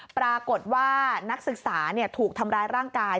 ปรากฏว่านักศึกษาถูกทำร้ายร่างกาย